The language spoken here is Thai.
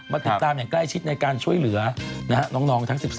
ติดตามอย่างใกล้ชิดในการช่วยเหลือน้องทั้ง๑๓